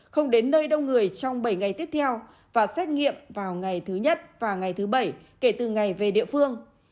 không đến nơi đông người trong bảy ngày tiếp theo và xét nghiệm vào ngày thứ nhất và ngày thứ bảy kể từ ngày về địa phương